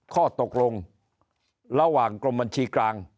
ข้อตกลงระหว่างกรมบัญชีกลาง